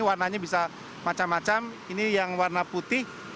warnanya bisa macam macam ini yang warna putih